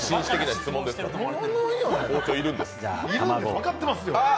分かってますわ。